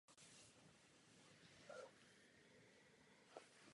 Přes otcův odpor hospodářství opustil pro umění.